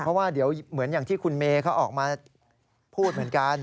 เพราะว่าเดี๋ยวเหมือนอย่างที่คุณเมย์เขาออกมาพูดเหมือนกัน